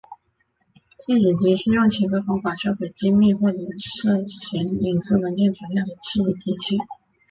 碎纸机是用切割方法销毁机密或者牵涉隐私文件材料的事务机器。